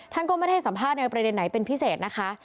ท่านก็ไม่ได้ให้สัมภาษณ์ในประเด็นไหนเป็นพิเศษนะคะ